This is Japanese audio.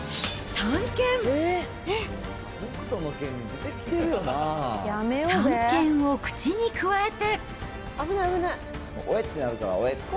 短剣を口にくわえて。